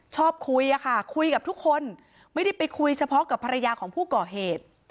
ชอบคุยอะค่ะคุยกับทุกคนไม่ได้ไปคุยเฉพาะกับภรรยาของผู้ก่อเหตุ